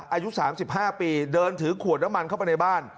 อายุ๓๕ปีเดินถือขวดน้ำมันเข้าไปในบ้าน